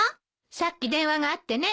さっき電話があってね